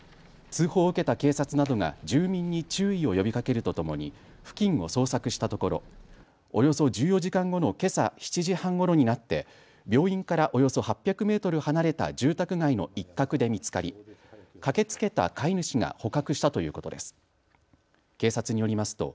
通報を受けた警察などが住民に注意を呼びかけるとともに付近を捜索したところおよそ１４時間後のけさ７時半ごろになって病院からおよそ８００メートル離れた住宅街の一角で見つかり駆けつけた飼い主が捕獲したということです。